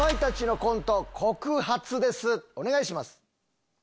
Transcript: お願いします。